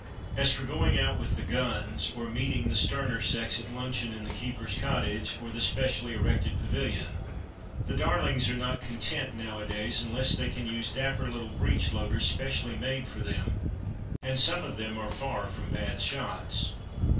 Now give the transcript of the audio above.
As for going out with the "guns," or meeting the sterner sex at luncheon in the keeper's cottage, or the specially erected pavilion, the darlings are not content, nowadays, unless they can use dapper little breech loaders, specially made for them, and some of them are far from bad shots.